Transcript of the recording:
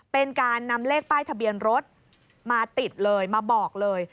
เป็นการนำเลขป้ายทะเบียนรถมาติดเลยมาบอกเลย